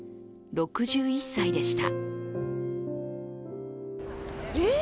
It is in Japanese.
６１歳でした。